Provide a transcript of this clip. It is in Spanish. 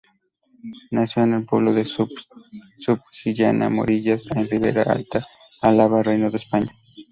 Nació en el pueblo de Subijana-Morillas en Ribera Alta, Álava, Reino de España.